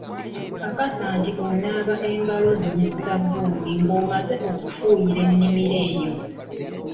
Kakasa nti onaaba engalo zo ne sabbuuni ng'omaze okufuuyira ennimiro yo.